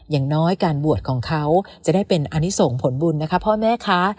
อย่างน้อยการบวชของเขาจะได้เป็นอันนี้ส่งผลบุญนะคะพ่อแม่คะ